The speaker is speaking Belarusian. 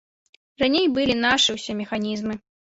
Раней былі нашы ўсе механізмы.